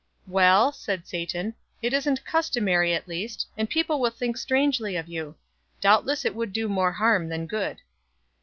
"Well," said Satan, "it isn't customary at least, and people will think strangely of you. Doubtless it would do more harm than good."